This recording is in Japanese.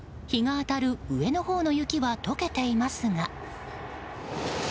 日が当たる、上のほうの雪は解けていますが。